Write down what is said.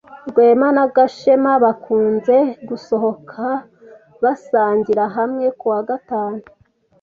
Rwema na Gashema bakunze gusohoka basangira hamwe kuwa gatanu.